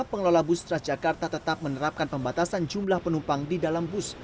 pengelola bus transjakarta tetap menerapkan pembatasan jumlah penumpang di dalam bus